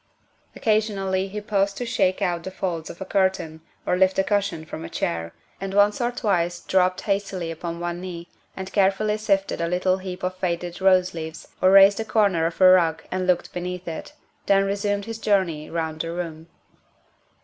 Occasionally he paused to shake out the folds of a curtain or lift a cushion from a chair, and once or twice dropped hastily upon one knee and carefully sifted a little heap of faded rose leaves or raised the corner of a rug and looked beneath it, then resumed his journey round the room.